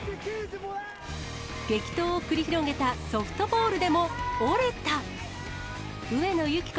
激闘を繰り広げたソフトボールでも折れた。